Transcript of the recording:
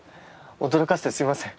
驚かせてすいません。